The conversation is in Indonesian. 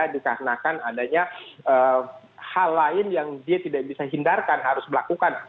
dikarenakan adanya hal lain yang dia tidak bisa hindarkan harus melakukan